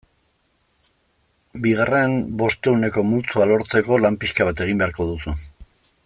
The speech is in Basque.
Bigarren bostehuneko multzoa lortzeko lan pixka bat egin beharko duzu.